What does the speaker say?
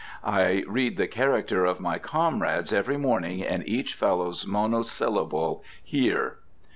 I read the character of my comrades every morning in each fellow's monosyllable "Here!"